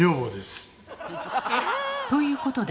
ということで。